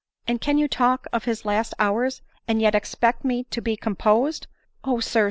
" And can you talk of bis ' last hours, ' and yet expect me to be composed ? O sir